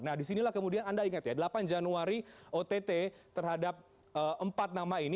nah disinilah kemudian anda ingat ya delapan januari ott terhadap empat nama ini